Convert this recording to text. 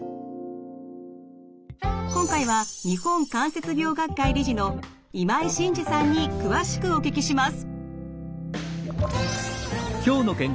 今回は日本関節病学会理事の今井晋二さんに詳しくお聞きします。